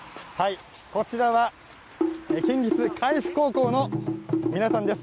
こちらは県立海部高校の皆さんです。